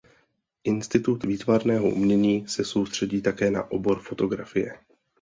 Institut výtvarného umění se soustředí také na obor fotografie.